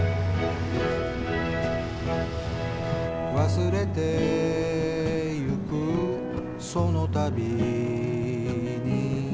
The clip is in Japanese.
「忘れてゆくそのたびに」